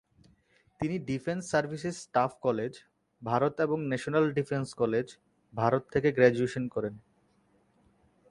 তিনি defence services staff college, Bharat এবং national defence college, Bharat থেকে গ্র্যাজুয়েশন করেন।